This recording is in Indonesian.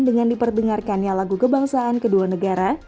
dengan diperdengarkannya lagu kebangsaan kedua negara